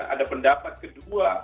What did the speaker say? ada pendapat kedua